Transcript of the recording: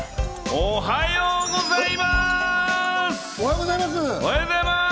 おはようございます！